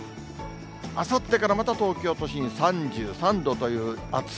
あさってからまた東京都心、３３度という暑さ。